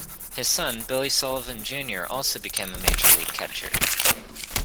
His son, Billy Sullivan, Junior also became a major league catcher.